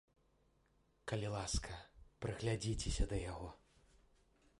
Калі ласка, прыглядзіцеся да яго.